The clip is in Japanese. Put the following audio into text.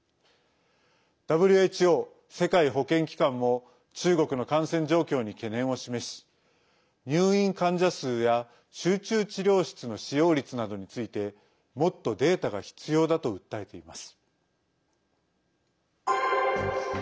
ＷＨＯ＝世界保健機関も中国の感染状況に懸念を示し入院患者数や集中治療室の使用率などについてもっとデータが必要だと訴えています。